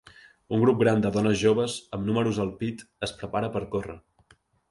Un grup gran de dones joves amb números al pit es prepara per córrer.